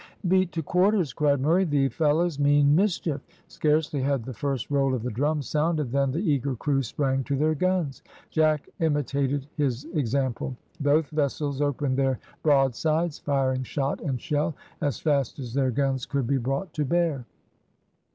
"Beat to quarters," cried Murray, "the fellows mean mischief." Scarcely had the first roll of the drum sounded than the eager crew sprang to their guns. Jack imitated his example; both vessels opened their broadsides, firing shot and shell as fast as their guns could be brought to bear.